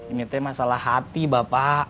ini masalah hati bapak